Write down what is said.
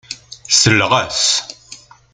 Selleɣ-as.